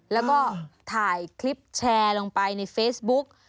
แล้วก็ถ่ายคลิปแชร์ลงไปในเฟซบุ๊ก